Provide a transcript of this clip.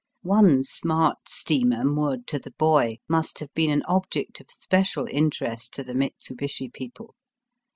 One smart steamer moored to the buoy must have been an object of special interest to the Mitsu Bishi people.